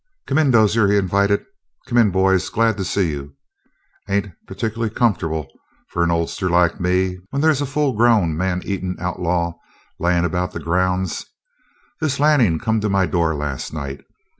"Come in, Dozier," he invited. "Come in, boys. Glad to see you. Ain't particular comfortable for an oldster like me when they's a full grown, man eatin' outlaw layin' about the grounds. This Lanning come to my door last night.